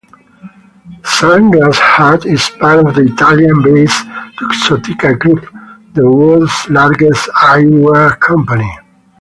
Sunglass Hut is part of the Italian-based Luxottica Group, the world's largest eyewear company.